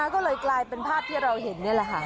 ก็เลยกลายเป็นภาพที่เราเห็นนี่แหละค่ะ